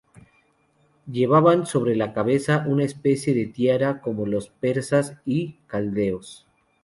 Llevaban sobre la cabeza una especie de tiara como los persas y caldeos.